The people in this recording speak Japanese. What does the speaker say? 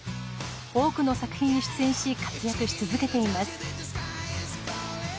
多くの作品に出演し活躍し続けています。